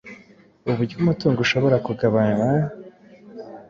uburyo umutungo ushobora kugabanwa